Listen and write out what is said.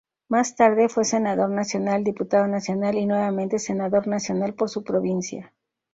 Más tarde fue senador nacional, Diputado Nacional y nuevamente Senador Nacional por su provincia.